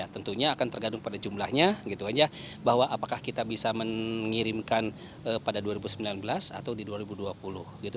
tentunya akan tergantung pada jumlahnya bahwa apakah kita bisa mengirimkan pada dua ribu sembilan belas atau di dua ribu dua puluh